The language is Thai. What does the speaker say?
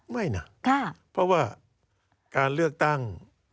ไม่นะเพราะว่าการเลือกตั้ง